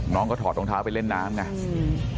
น้องก็ถอดรองเท้าไปเล่นน้ำอย่างนี้